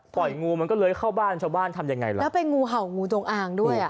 งูมันก็เลยเข้าบ้านชาวบ้านทำยังไงล่ะแล้วเป็นงูเห่างูจงอางด้วยอ่ะ